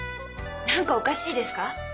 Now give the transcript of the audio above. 何かおかしいですか？